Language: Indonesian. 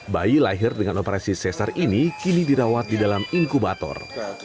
bayi lahir dengan operasi cesar ini kini dirawat di dalam inkubator